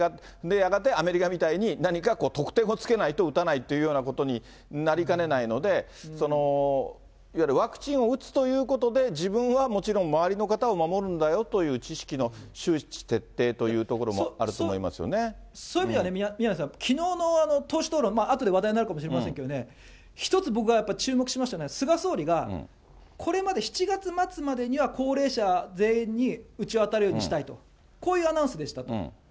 やがてアメリカみたいに何か特典をつけないと打たないということになりかねないので、いわゆるワクチンを打つということで、自分はもちろん、周りの方を守るんだよという知識の周知徹底というところもあるとそういう意味では、宮根さん、きのうの党首討論、あとで話題になるかもしれませんけれどもね、一つ僕がやっぱり注目しましたのは、菅総理がこれまで７月末までには、高齢者全員に打ちわたるようにしたいと、こういうアナウンスでした。